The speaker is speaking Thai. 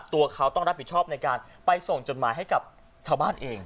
ตัวเขาต้องรับผิดชอบในการไปส่งจดหมายให้กับชาวบ้านเอง